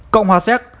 cộng hòa xét